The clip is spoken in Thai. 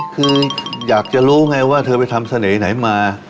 คืออยากจะรู้ไงว่าเธอไปทำเสน่ห์ไหนมา